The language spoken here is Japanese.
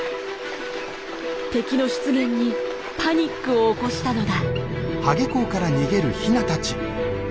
敵の出現にパニックを起こしたのだ。